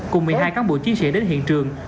cùng một mươi hai cán bộ chiến sĩ đến hiện trường